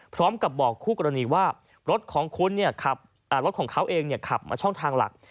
พร้อมกับบอกคู่กรณีว่ารถของเขาเองเนี่ยขับมาช่องทางหลัก